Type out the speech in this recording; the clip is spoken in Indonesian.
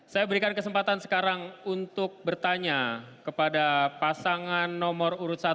saya berikan kesempatan sekarang untuk bertanya kepada pasangan nomor urut satu